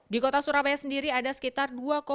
di kota surabaya sendiri ada sekitar